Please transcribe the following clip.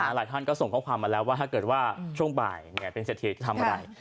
หลายท่านก็ส่งข้อความมาแล้วว่าถ้าเกิดว่าช่วงบ่ายเป็นเศรษฐีจะทำอะไร